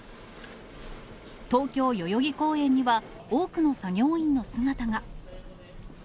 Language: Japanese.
東京・代々木公園には、多くの作業員の姿が。